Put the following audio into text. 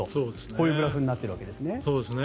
こういうグラフになっているわけですね。